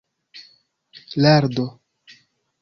lardo